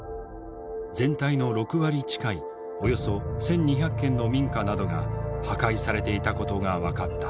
全体の６割近いおよそ１，２００軒の民家などが破壊されていたことが分かった。